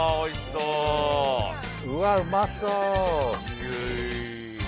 うわっうまそう。